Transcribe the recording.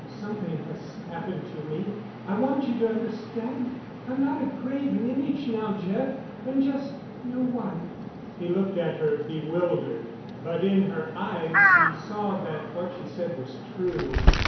Something has happened to me. I want you to understand—I'm not a graven image now, Jeff, I'm just—your wife." He looked at her, bewildered, but in her eyes he saw that what she said was true.